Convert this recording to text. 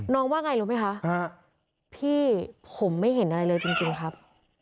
ว่าไงรู้ไหมคะพี่ผมไม่เห็นอะไรเลยจริงครับ